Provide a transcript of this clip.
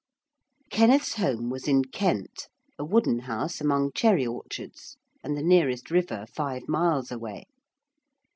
Kenneth's home was in Kent, a wooden house among cherry orchards, and the nearest river five miles away.